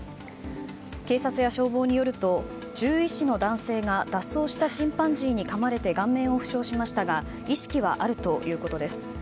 警察や消防によると獣医師の男性が脱走したチンパンジーにかまれて顔面を負傷しましたが意識はあるということです。